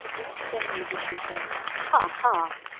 Then the Magician said "Ha, ha!"